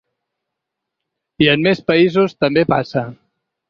I en més països també passa!